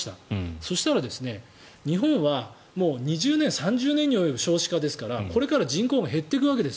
そしたら日本は２０年、３０年に及ぶ少子化ですからこれから人口が減っていくわけです。